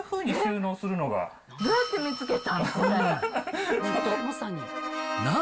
どうやって見つけたん？